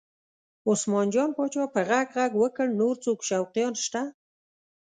عثمان جان پاچا په غږ غږ وکړ نور څوک شوقیان شته؟